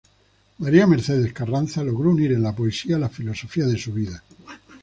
María Mercedes Carranza logró unir en la poesía la filosofía de su vida.